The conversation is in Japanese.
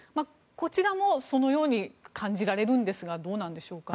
こちらもそのように感じられるんですがどうなんでしょうか。